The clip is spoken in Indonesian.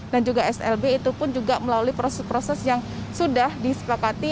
dan juga slb itu pun juga melalui proses proses yang sudah disepakati